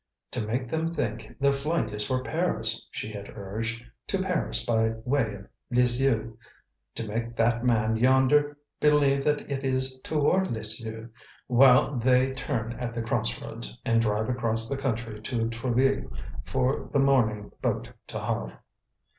"To make them think the flight is for Paris," she had urged, "to Paris by way of Lisieux. To make that man yonder believe that it is toward Lisieux, while they turn at the crossroads, and drive across the country to Trouville for the morning boat to Havre."